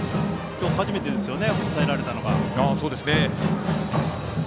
今日初めてですよね抑えられたのが。